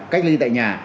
cách ly tại nhà